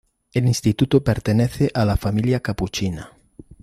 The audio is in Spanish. El instituto pertenece a la Familia capuchina.